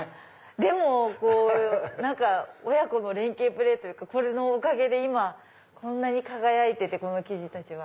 でも親子の連携プレーというかこれのおかげで今こんなに輝いてて生地は。